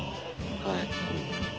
はい。